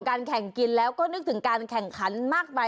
แข่งกินแล้วก็นึกถึงการแข่งขันมากมาย